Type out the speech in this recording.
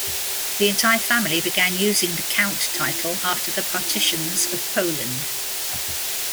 The entire family began using the Count title after the partitions of Poland.